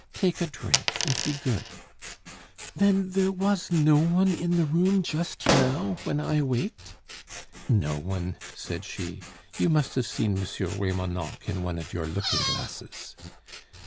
Take a drink and be good " "Then was there no one in the room just now, when I waked?..." "No one," said she. "You must have seen M. Remonencq in one of your looking glasses."